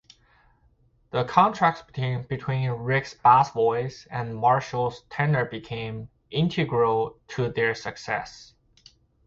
The contrast between Ricks' bass voice and Marshall's tenor became integral to their success.